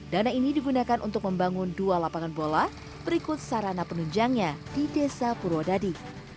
dana ini digunakan untuk membangun dua lapangan bola berikut sarana penunjangnya di desa purwodadi